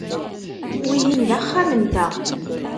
Wihin d axxam-nteɣ.